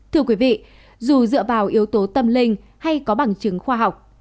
thưa quý vị dù dựa vào yếu tố tâm linh hay có bằng chứng khoa học